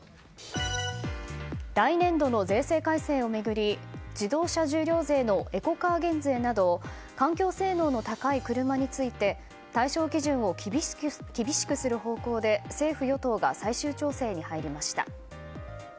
来年度の税制改正を巡り自動車重量税のエコカー減税など環境性能の高い車について対象基準を厳しくする方向で政府・与党が最終調整に入りました。